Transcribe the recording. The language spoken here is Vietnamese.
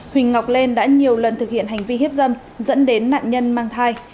huỳnh ngọc lên đã nhiều lần thực hiện hành vi hiếp dâm dẫn đến nạn nhân mang thai